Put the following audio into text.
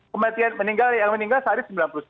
kematian yang meninggal sehari sembilan puluh sembilan